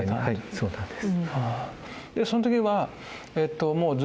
そうなんです。